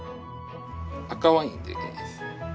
赤ワインです。